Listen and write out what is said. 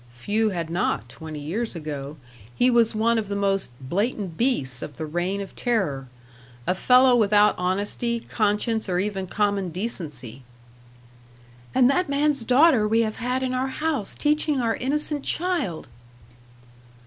"Few had not, twenty years ago. He was one of the most 'blatant beasts' of the Reign of Terror. A fellow without honesty, conscience, or even common decency." "And that man's daughter we have had in our house, teaching our innocent child!"